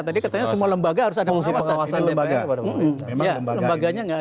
tadi katanya semua lembaga harus ada pengawasan dpr kepada pemerintah